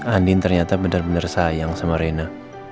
andin ternyata bener bener sayang sama raina